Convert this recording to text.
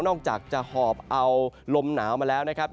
อกจากจะหอบเอาลมหนาวมาแล้วนะครับ